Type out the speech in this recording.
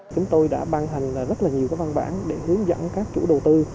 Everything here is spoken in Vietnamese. chúng tôi đã ban hành rất là nhiều văn bản để hướng dẫn các chủ đầu tư